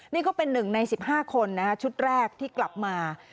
นี่ก็เป็นหนึ่งในสิบห้าคนชุดแรกที่กลับมา